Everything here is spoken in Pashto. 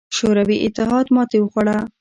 شوروي اتحاد ماتې وخوړه.